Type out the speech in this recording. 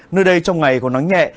nơi đây trong ngày còn nắng nhẹ